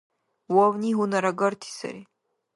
Вавни гьунарагарти сари.